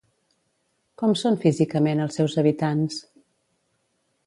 Com són físicament els seus habitants?